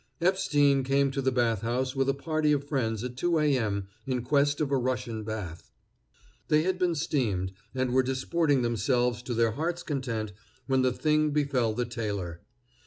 Epstein came to the bath house with a party of friends at 2 A. M., in quest of a Russian bath. They had been steamed, and were disporting themselves to their heart's content when the thing befell the tailor.